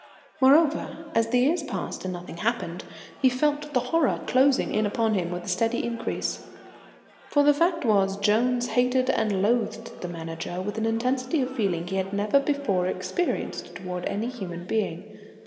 Moreover, as the years passed, and nothing happened, he felt the horror closing in upon him with steady increase, for the fact was Jones hated and loathed the Manager with an intensity of feeling he had never before experienced towards any human being.